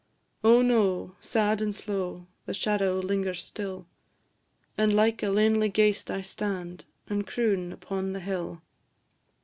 Oh, no! sad and slow, The shadow lingers still; And like a lanely ghaist I stand, And croon upon the hill.